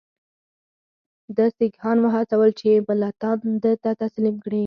ده سیکهان وهڅول چې ملتان ده ته تسلیم کړي.